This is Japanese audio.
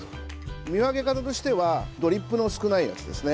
見分け方としてはドリップの少ないやつですね。